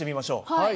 はい。